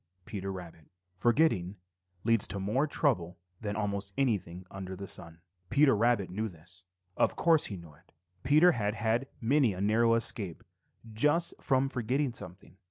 Peter Rabbit. Forgetting leads to more trouble than almost anything under the sun. Peter Rabbit knew this. Of course he knew it. Peter had had many a narrow escape just from forgetting something.